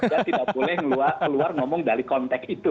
kita tidak boleh keluar ngomong dari konteks itu